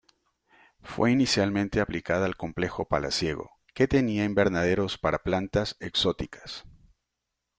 Fue inicialmente aplicada al complejo palaciego, que tenía invernaderos para plantas exóticas.